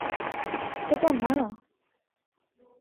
খোদা, না!